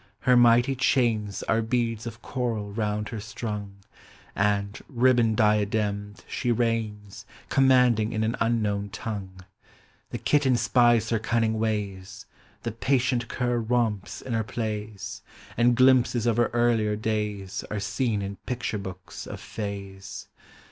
— her mighty chains Are heads of coral round her struug. And, ribbon diademed, she reigns. Commanding in an unknown tongue. The kitten spies her cunning ways. The patient cur romps in her plays. Ami glimpses of her earlier days Are seen in picture books of fa\s.